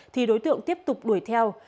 thì đối tượng tiếp tục đuổi theo